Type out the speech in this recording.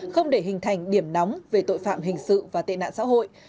không để hình thành điểm nóng về tội phạm hình sự và tệ nạn xã hội